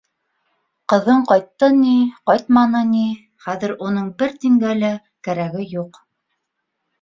Ҡыҙың ҡайтты ни, ҡайтманы ни, хәҙер уның бер тингә лә кәрәге юҡ.